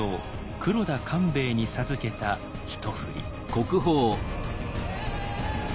黒田官兵衛に授けた一振り。